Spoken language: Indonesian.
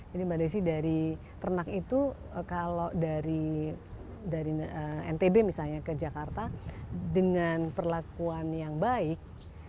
jadi mbak desi dari ternak itu kalau dari ntb misalnya ke jakarta dengan perlakuan yang baik